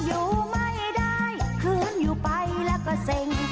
อยู่ไม่ได้คืนอยู่ไปแล้วก็เซ็ง